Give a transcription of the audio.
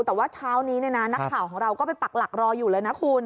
แต่ว่าเช้านี้นักข่าวของเราก็ไปปักหลักรออยู่เลยนะคุณ